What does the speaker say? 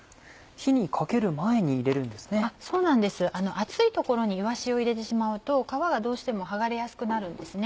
熱いところにいわしを入れてしまうと皮がどうしても剥がれやすくなるんです。